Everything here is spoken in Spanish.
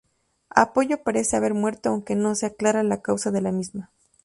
Apollo parece haber muerto aunque no se aclara la causa de la misma.